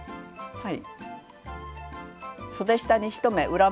はい。